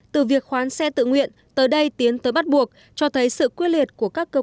từ việc khoán xe tự nguyện tới đây tiến tới bắt buộc cho thấy sự quyết liệt của các cơ quan quản lý